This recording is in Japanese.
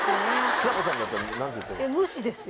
ちさ子さんだったら何て言ってるんですか？